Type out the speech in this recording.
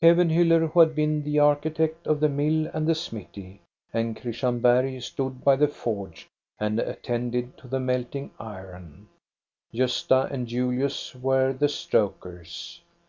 Kevenhiiller, who had been the architect of the mill and .the smithy, and Christian Bergh stood by the forge and attended to the melting iron. Gosta and Julius were the stokers.